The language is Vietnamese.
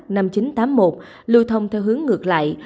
năm nghìn chín trăm tám mươi một lưu thông theo hướng ngược lại